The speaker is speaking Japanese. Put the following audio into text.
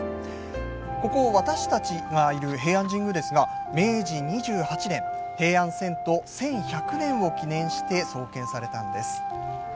ここ、私たちがいる平安神宮ですが、明治２８年平安遷都１１００年を記念して創建されたんです。